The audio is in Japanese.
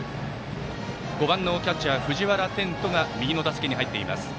５番のキャッチャー、藤原天斗が右の打席に入っています。